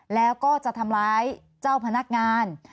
แล้วก็จะทำร้ายเจ้าพนักงาน